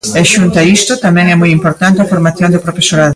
E, xunto a isto, tamén é moi importante a formación do profesorado.